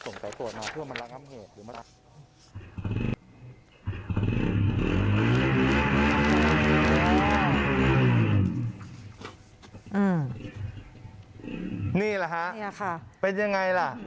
นี่แหละค่ะเป็นยังไงล่ะ